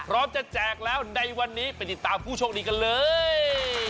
พร้อมจะแจกแล้วในวันนี้ไปติดตามผู้โชคดีกันเลย